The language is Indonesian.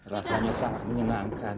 rasanya sangat menyenangkan